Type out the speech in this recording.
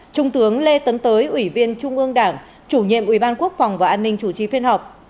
trung tướng lê tấn tới ủy viên trung ương đảng chủ nhiệm ủy ban quốc phòng và an ninh chủ trì phiên họp